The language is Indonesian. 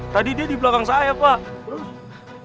tadi dia di belakang saya pak